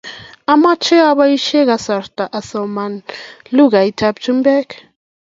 amache abaishe kasarta asoman lukait ab chumbek